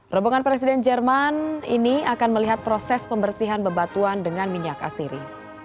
rombongan presiden jerman ini akan melihat proses pembersihan bebatuan dengan minyak asiri